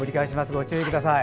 ご注意ください。